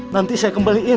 nanti saya kembalikan